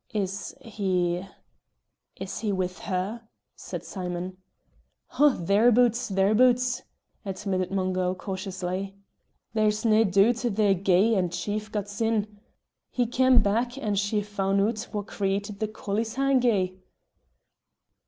"Is he is he with her?" said Simon. "Oh, thereaboots, thereaboots," admitted Mungo, cautiously. "There's nae doot they're gey and chief got sin! he cam' back, and she foun' oot wha created the collieshangie."